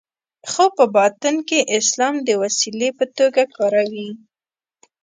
خو په باطن کې اسلام د وسیلې په توګه کاروي.